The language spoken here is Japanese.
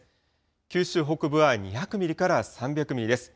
九州北部は２００ミリから３００ミリです。